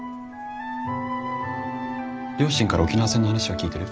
両親から沖縄戦の話は聞いてる？